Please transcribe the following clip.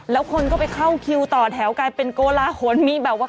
แล้วคนก็ไปเข้าคิวต่อแถวกลายเป็นโกลาหลมีแบบว่า